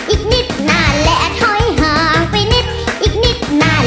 อีกนิดนานและถอยห่างไปนิดอีกนิดนาน